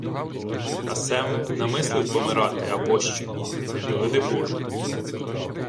— А се-м намислив помирати абощо... Не доведи, Боже.